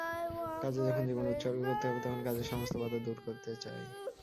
কাজে যখন জীবন উৎসর্গ করতে হবে তখন কাজের সমস্ত বাধা দূর করতে চাই।